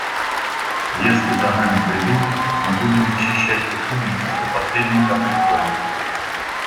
Если за нами придут, мы будем защищать Республику до последней капли крови.